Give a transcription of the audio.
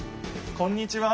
こんにちは。